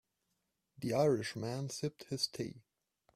The Irish man sipped his tea.